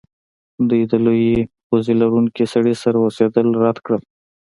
دوی د لویې پوزې لرونکي سړي سره اوسیدل رد کړل